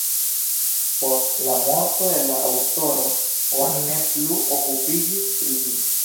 Post la morto de la aŭtoro, oni ne plu okupiĝis pri ĝi.